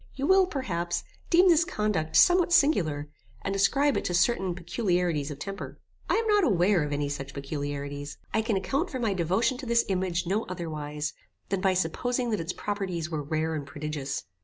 You will, perhaps, deem this conduct somewhat singular, and ascribe it to certain peculiarities of temper. I am not aware of any such peculiarities. I can account for my devotion to this image no otherwise, than by supposing that its properties were rare and prodigious.